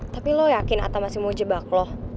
tapi lo yakin ata masih mau jebak lo